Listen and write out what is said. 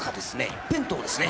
一辺倒ですね。